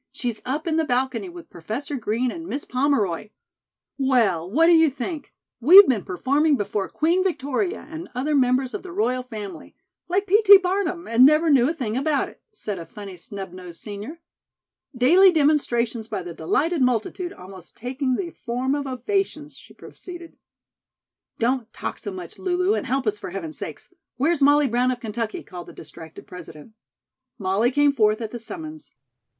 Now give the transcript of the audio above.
"She's up in the balcony with Professor Green and Miss Pomeroy." "Well, what do you think, we've been performing before 'Queen Victoria and other members of the royal family,' like P. T. Barnum, and never knew a thing about it," said a funny snub nosed senior. "'Daily demonstrations by the delighted multitude almost taking the form of ovations,'" she proceeded. "Don't talk so much, Lulu, and help us, for Heaven's sake! Where's Molly Brown of Kentucky?" called the distracted President. Molly came forth at the summons.